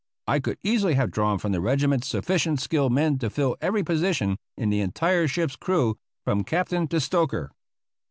I could easily have drawn from the regiment sufficient skilled men to fill every position in the entire ship's crew, from captain to stoker.